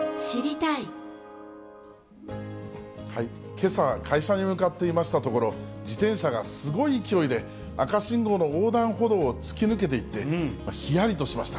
けさ、会社に向かっていましたところ、自転車がすごい勢いで赤信号の横断歩道を突き抜けていって、ひやりとしました。